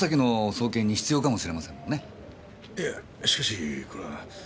いやしかしこれは。